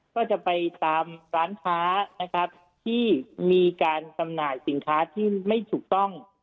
ก็จะไปตามร้านค้านะครับที่มีการจำหน่ายสินค้าที่ไม่ถูกต้อง